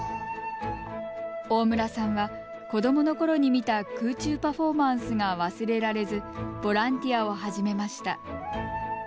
大村さんは子どものころに見た空中パフォーマンスが忘れられずボランティアを始めました。